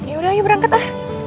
yaudah yuk berangkat lah